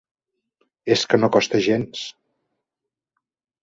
És que no costa gens!